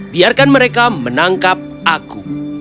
biarkan mereka menangkap aku